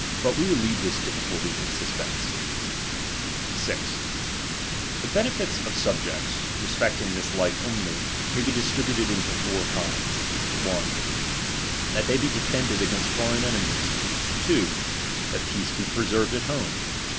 But we will leave this difficulty in si pense. . SQ^_ DOMINTON. 169 G. The benefits of subjects, respecting this life c only, may be distributed into four kinds. I . That ^ they be defended against foreign enemies. 2. That ™ peace be preserved at home.